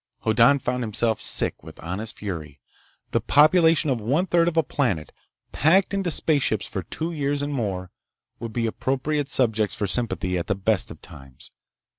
Hoddan found himself sick with honest fury. The population of one third of a planet, packed into spaceships for two years and more, would be appropriate subjects for sympathy at the best of times.